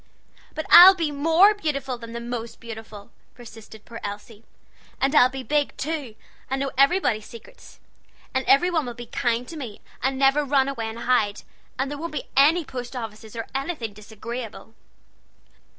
"But I'll be more beautiful than the most beautiful," persisted poor little Elsie; "and I'll be big, too, and know everybody's secrets. And everybody'll be kind, then, and never run away and hide; and there won't be any post offices, or anything disagreeable."